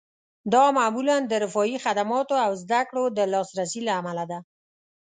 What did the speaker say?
دا معمولاً د رفاهي خدماتو او زده کړو د لاسرسي له امله ده